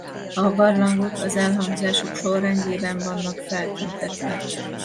A barlangok az elhangzásuk sorrendjében vannak feltüntetve.